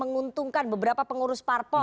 menguntungkan beberapa pengurus parpol